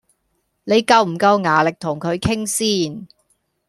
你夠唔夠牙力同佢傾先？